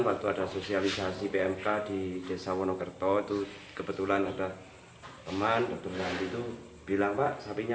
waktu ada sosialisasi pmk di desa wonokerto itu kebetulan ada teman teman itu bilang pak sapinya